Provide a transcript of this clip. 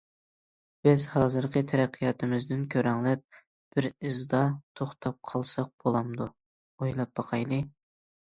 بىز ھازىرقى تەرەققىياتىمىزدىن كۆرەڭلەپ بىر ئىزدا توختاپ قالساق بولامدۇ؟ ئويلاپ باقايلى.